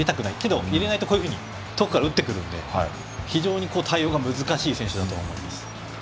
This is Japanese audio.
でも、入れないと遠くから打ってくるので非常に対応が難しい選手だと思います。